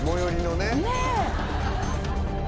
ねえ。